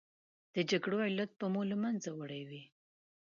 د جګړو علت به مو له منځه وړی وي.